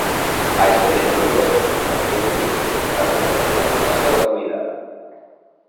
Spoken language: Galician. A esplendorosa fotografía do filme contrasta coa súa nefasta vacuidade.